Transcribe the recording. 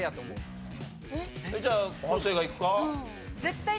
じゃあ昴生がいくか？